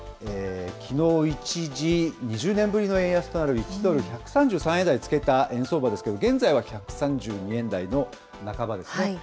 きのう、一時、２０年ぶりの円安となる１ドル１３３円台をつけた円相場ですけれども、現在は１３２円台の半ばですね。